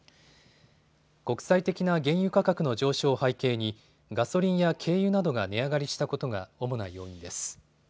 国際的な原油価格の上昇を背景にガソリンや軽油などが値上がりしたことが主な要因です。